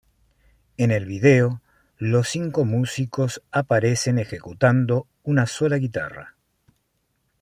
En el video, los cinco músicos aparecen ejecutando una sola guitarra.